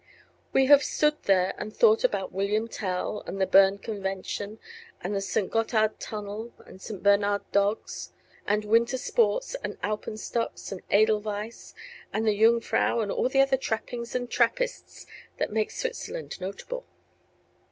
We have stood there and thought about William Tell and the Berne Convention and the St. Gothard Tunnel and St. Bernard dogs and winter sports and alpenstocks and edelweiss and the Jungfrau and all the other trappings and trappists that make Switzerland notable.